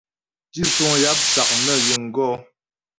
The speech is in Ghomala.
Tísuŋ yáp sák nə ghíŋ gɔ̌.